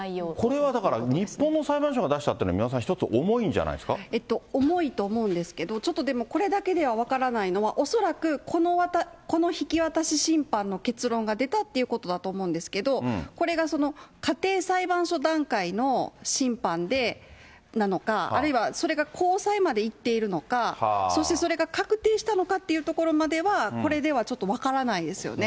これはだから、日本の裁判所が出したというのは、三輪さん、一つ、重いんじゃないえっと、重いと思うんですけれども、ちょっとでも、これだけでは分からないのは、恐らく、この引き渡し審判の結論が出たってことだと思うんですけれども、これが家庭裁判所段階の審判なのか、あるいはそれが高裁までいっているのか、そして、それが確定したのかというところまでは、これではちょっと分からないですよね。